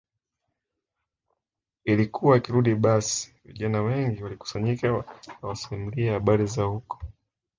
Ilikuwa akirudi basi vijana wengi walikusanyika awasimulie habari za huko